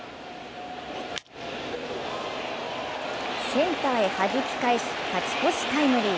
センターへはじき返し、勝ち越しタイムリー。